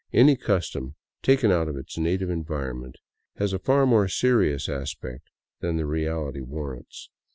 Any custom taken out of its native environ ment has a far more serious aspect than the reality warrants.